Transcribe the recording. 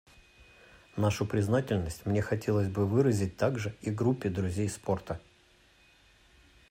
Нашу признательность мне хотелось бы выразить также и Группе друзей спорта.